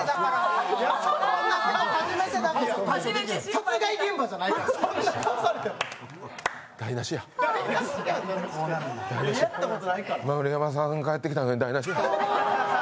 殺害現場じゃないから。